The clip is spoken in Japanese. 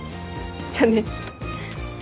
じゃあね。